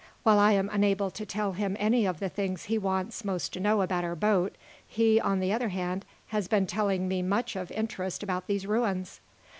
While I am unable to tell him any of the things he wants most to know about our boat, he, on the other hand, has been telling me much of interest about these ruins."